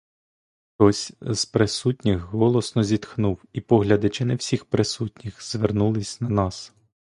Хтось з присутніх голосно зітхнув і погляди чи не всіх присутніх звернулись на нас.